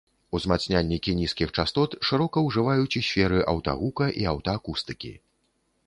Узмацняльнікі нізкіх частот шырока ўжываюць у сферы аўтагука і аўтаакустыкі.